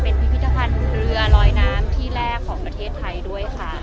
เป็นพิวเทียสร้างเรือรอยน้ำที่แรกอยู่บนประเทศไทย